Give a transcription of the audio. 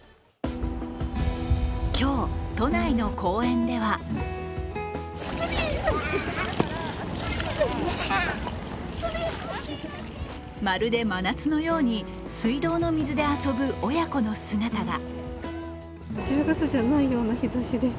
今日、都内の公園ではまるで真夏のように水道の水で遊ぶ親子の姿が。